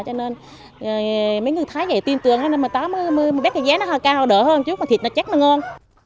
cho nên mấy người thái dạy tin tưởng hay là mà bếp cái giá nó cao đỡ hơn chút mà thịt nó chắc nó ngon